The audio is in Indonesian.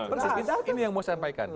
proses ini yang mau saya sampaikan